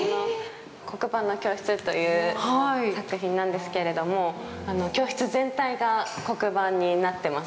「黒板の教室」という作品なんですけれども、教室全体が黒板になってます。